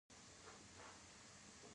هغوی د عمل پر ځای خبرې کولې.